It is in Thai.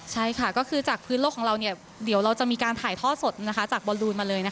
ใช่ค่ะก็คือจากพื้นโลกวนธนภาพของเราเดี๋ยวจะมีการถ่ายท่อสดจากบรูลุพนี้